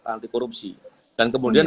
anti korupsi dan kemudian